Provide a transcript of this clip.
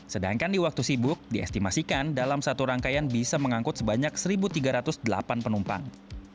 sedangkan di waktu sibuk diestimasikan dalam satu rangkaian bisa mengangkut sebanyak satu tiga ratus delapan penumpang